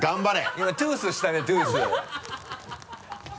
今トゥースしたねトゥース。